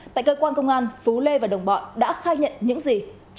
tại cơ quan công an phú lê và đồng bọn đã khai nhận những gì